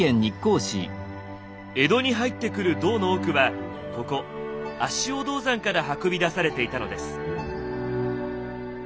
江戸に入ってくる銅の多くはここ足尾銅山から運び出されていたのです。